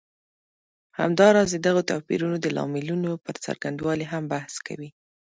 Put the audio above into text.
همداراز د دغو توپیرونو د لاملونو پر څرنګوالي هم بحث کوي.